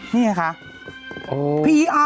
นี่ไงคะอังกฤษนี่ไงคะ